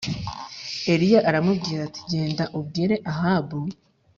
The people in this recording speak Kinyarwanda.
Eliya aramubwira ati “Genda ubwire Ahabu